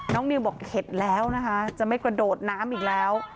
นิวบอกเห็นแล้วนะคะจะไม่กระโดดน้ำอีกแล้ว